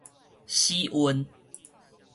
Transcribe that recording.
死運